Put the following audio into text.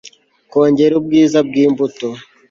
kongera ubwiza bw imbuto